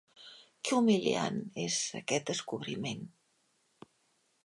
Què humiliant és aquest descobriment!